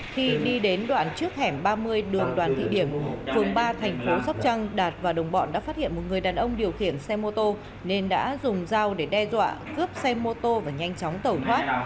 khi đi đến đoạn trước hẻm ba mươi đường đoàn thị điểm phường ba thành phố sóc trăng đạt và đồng bọn đã phát hiện một người đàn ông điều khiển xe mô tô nên đã dùng dao để đe dọa cướp xe mô tô và nhanh chóng tẩu thoát